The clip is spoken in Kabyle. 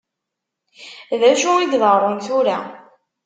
Dacu i iḍeṛṛun tura?